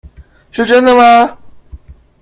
是真的嗎？